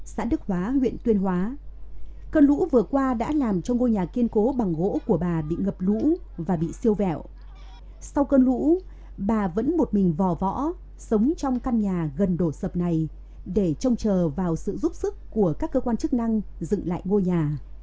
sau cơn lũ bà vẫn một mình vò võ sống trong căn nhà gần đổ sập này để trông chờ vào sự giúp sức của các cơ quan chức năng dựng lại ngôi nhà